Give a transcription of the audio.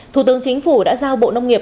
thủ tướng chính phủ đã giao bộ nông nghiệp